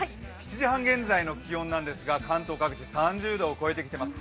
７時半現在の気温ですが、関東各地、３０度を超えてきています。